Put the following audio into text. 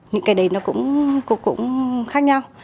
những cái đấy nó cũng khác nhau